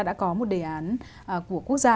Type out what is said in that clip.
đã có một đề án của quốc gia